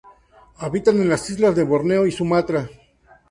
Habita en las islas de Borneo y Sumatra.